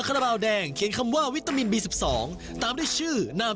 ราบาลแดงเขียนคำว่าวิตามินบี๑๒ตามด้วยชื่อนาม